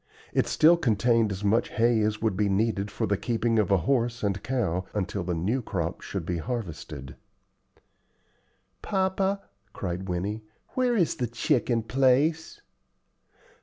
It still contained as much hay as would be needed for the keeping of a horse and cow until the new crop should be harvested. "Papa," cried Winnie, "where is the chicken place?"